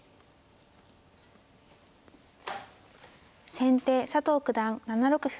先手佐藤九段７六歩。